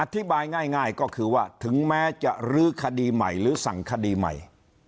อธิบายง่ายก็คือว่าถึงแม้จะรื้อคดีใหม่หรือสั่งคดีใหม่